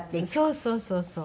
そうそうそうそう。